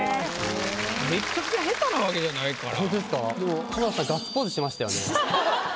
めっちゃくちゃ下手なわけじゃないから。